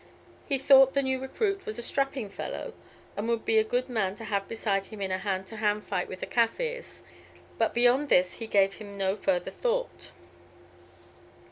He thought the new recruit was a strapping fellow, and would be a good man to have beside one in a hand to hand fight with the Kaffirs; but beyond this he gave him no further thought.